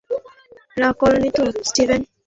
রাগ করোনি তো, স্টিভেন?